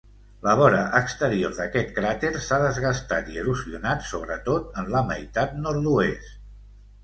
La vora exterior d'aquest cràter s'ha desgastat i erosionat, sobretot en la meitat nord-oest.